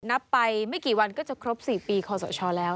นับไปไม่กี่วันก็จะครบ๔ปีคอสชแล้ว